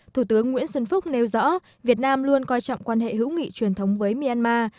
thủ tướng nguyễn xuân phúc nêu rõ việt nam luôn coi trọng quan hệ hữu nghị truyền thống với myanmar